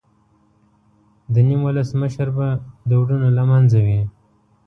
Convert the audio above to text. د نیم ولس مشر به د ورونو له منځه وي.